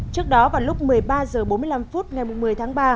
trước đó vào lúc một mươi ba h bốn mươi năm phút ngày một mươi tháng ba